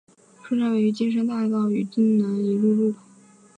车站位于金山大道与金南一路路口。